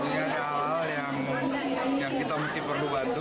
ini ada hal hal yang kita mesti perlu bantu